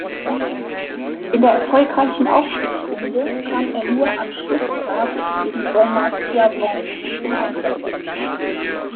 In der erfolgreichen Aufstiegsrunde kam er nur am Schlusstag gegen Wormatia Worms zum Einsatz.